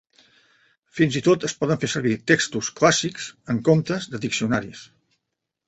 Fins i tot es poden fer servir textos clàssics en comptes de diccionaris.